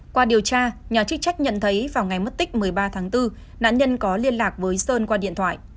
qua điều tra nhà chức trách nhận thấy vào ngày mất tích một mươi ba tháng bốn nạn nhân có liên lạc với sơn qua điện thoại